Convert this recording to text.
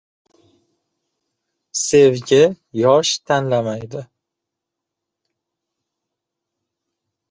• Sevgi yosh tanlamaydi.